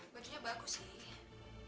bajunya bagus sih